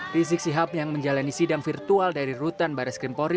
rizik sihab yang menjalani sidang virtual dari rutan baris krimpori